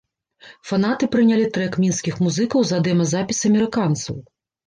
Фанаты прынялі трэк мінскіх музыкаў за дэма-запіс амерыканцаў.